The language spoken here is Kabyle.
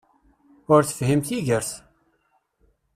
Ur tefhim tigert!